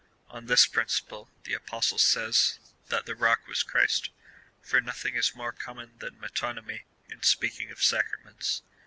On this principle the Apostle says, that the rock was Christ, for nothing is more common than metonymy in speaking of sacraments.